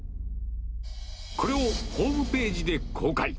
これをホームページで公開。